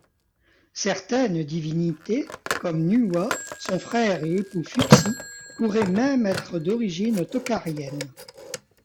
Certaines divinités, comme Nuwa, son frère et époux Fuxi pourraient même être d'origine tokharienne.